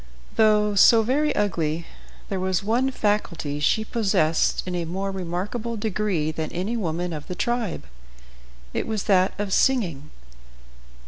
Though so very ugly, there was one faculty she possessed in a more remarkable degree than any woman of the tribe. It was that of singing.